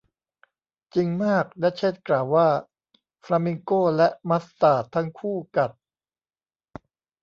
'จริงมาก' ดัชเชสกล่าวว่า :'ฟลามิงโกและมัสตาร์ดทั้งคู่กัด'